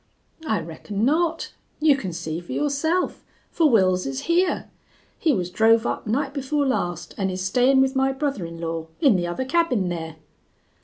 "I reckon not. You can see for yourself. For Wils's here. He was drove up night before last an' is stayin' with my brother in law in the other cabin there."